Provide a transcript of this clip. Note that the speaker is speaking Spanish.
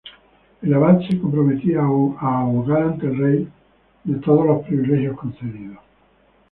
El Abad se comprometía a abogar ante el rey de todos los privilegios concedidos.